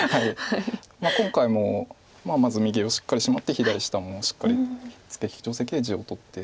今回もまず右をしっかりシマって左下もしっかりツケ引き定石で地を取って。